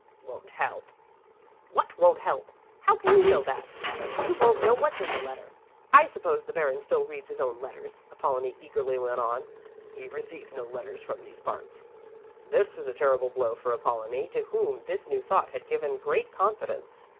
"Won't help." "What won't help? How can you know that? You won't know what's in the letter. I suppose the Baron still reads his own letters," Apollonie eagerly went on. "He receives no letters from these parts." This was a terrible blow for Apollonie, to whom this new thought had given great confidence.